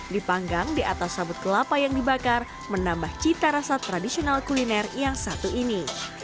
dipanggang di atas sabut kelapa yang dibakar menambah cita rasa tradisional kuliner yang satu ini